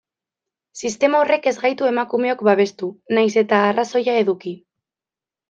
Sistema horrek ez gaitu emakumeok babestu, nahiz eta arrazoia eduki.